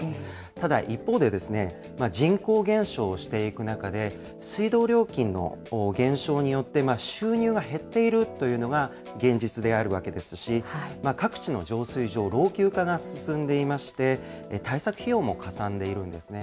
ただ、一方で、人口減少していく中で、水道料金の減少によって、収入が減っているというのが現実であるわけですし、各地の浄水場、老朽化が進んでいまして、対策費用もかさんでいるんですね。